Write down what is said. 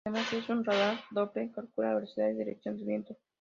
Además, si es un radar doppler calcula la velocidad y dirección del viento.